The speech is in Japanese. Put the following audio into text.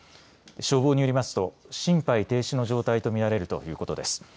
消防によりますと心肺停止の状態と見られるということです。